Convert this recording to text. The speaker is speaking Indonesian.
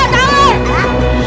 peman di lumpur